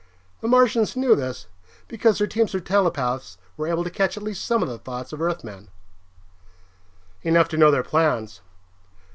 The Martians knew this, because their teams of telepaths were able to catch at least some of the thoughts of Earthmen, enough to know their plans.